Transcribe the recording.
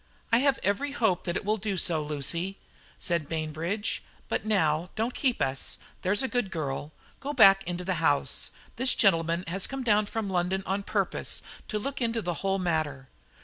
"I have every hope that it will do so, Lucy," said Bainbridge, "but now don't keep us, there's a good girl; go back into the house. This gentleman has come down from London on purpose to look into the whole matter.